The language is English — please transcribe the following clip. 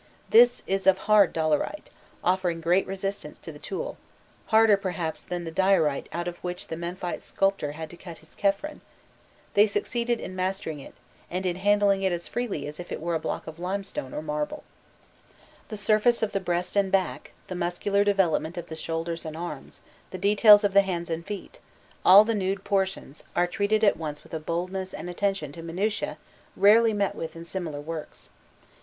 This is of hard dolerite, offering great resistance to the tool harder, perhaps, than the diorite out of which the Memphite sculptor had to cut his Khephren: they succeeded in mastering it, and in handling it as freely as if it were a block of limestone or marble. [Illustration: 111.jpg Plan of the Ruins of Mughier] The surface of the breast and back, the muscular development of the shoulders and arms, the details of the hands and feet, all the nude portions, are treated at once with a boldness and attention to minutiae rarely met with in similar works.